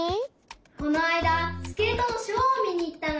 このあいだスケートのショーをみにいったの。